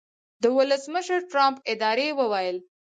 د ولسمشرټرمپ ادارې وویل